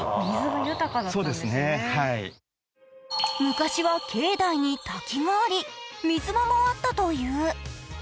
昔は境内に滝があり、水場もあったという。